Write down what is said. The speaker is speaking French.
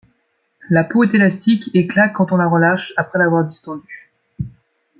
La peau est élastique et claque quand on la relâche après l'avoir distendue.